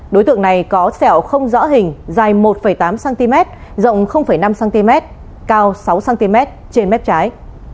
đối tượng này có sẹo không rõ hình dài một tám cm rộng năm cm cao sáu cm trên mép trái